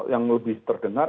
yang lebih terdengar